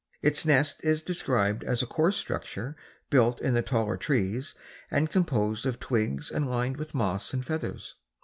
Its nest is described as a coarse structure built in the taller trees and composed of twigs and lined with moss and feathers.